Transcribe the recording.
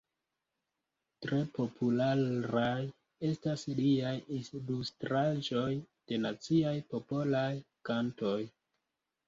Tre popularaj estas liaj ilustraĵoj de naciaj popolaj kantoj.